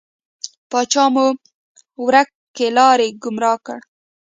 پاچا مو ورک لاری، ګمرا کړی.